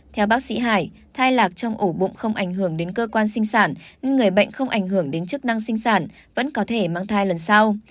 theo bác sĩ hải thai lạc trong ổ bụng không ảnh hưởng đến cơ quan sinh sản nên người bệnh không ảnh hưởng đến chức năng sinh sản vẫn có thể mang thai lần sau